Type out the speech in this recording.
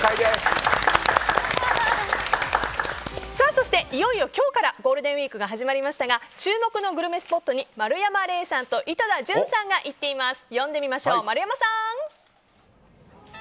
そしていよいよ今日からゴールデンウィークが始まりましたが注目のグルメスポットに丸山礼さんと井戸田潤さんが行っています。